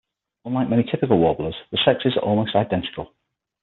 Unlike many typical warblers, the sexes are almost identical.